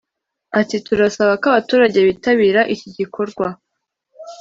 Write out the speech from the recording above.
Ati “Turasaba ko abaturage bitabira iki gikorwa